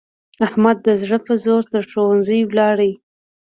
احمد د زړه په زور تر ښوونځي ولاړ.